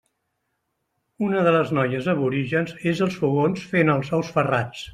Una de les noies aborígens és als fogons fent els ous ferrats.